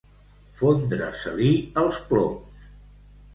Fondre-se-li els ploms.